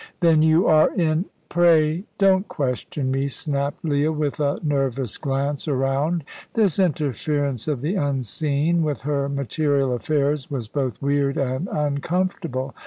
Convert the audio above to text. "Then you are in " "Pray don't question me," snapped Leah, with a nervous glance around. This interference of the Unseen with her material affairs was both weird and uncomfortable.